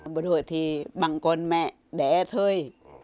bộ đội thì bằng con mẹ để thôi